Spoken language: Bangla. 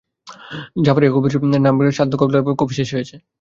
জাকারিয়া কফির কাপ নামিয়ে রেখে শান্ত গলায় বলল, কফি শেষ হয়েছে।